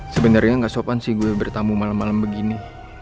sebenernya gak sopan sih gue bertamu malem malem begini